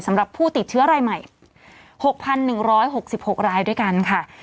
สำหรับผู้ติดเชื้อรายใหม่๖๑๖๖รายด้วยกันค่ะ